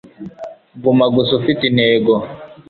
Guma gusa ufite intego